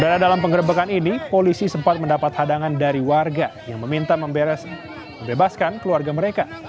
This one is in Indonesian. dari dalam pengerebekan ini polisi sempat mendapat hadangan dari warga yang meminta membebaskan keluarga mereka